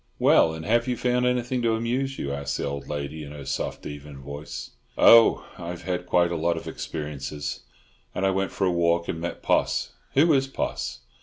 "Well, and have you found anything to amuse you?" asked the old lady in her soft, even voice. "Oh, I've had quite a lot of experiences; and I went for a walk and met Poss. Who is Poss?"